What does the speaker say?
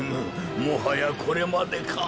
もはやこれまでか。